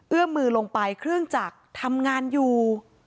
มือลงไปเครื่องจักรทำงานอยู่